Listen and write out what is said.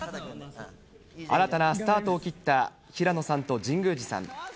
新たなスタートを切った平野さんと神宮寺さん。